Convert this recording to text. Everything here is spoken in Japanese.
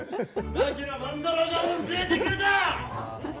槙野万太郎が教えてくれた！